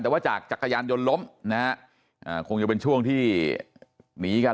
แต่ว่าจากจักรยานยนต์ล้มนะฮะอ่าคงจะเป็นช่วงที่หนีกัน